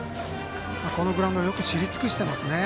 このグラウンドよく知り尽くしていますね。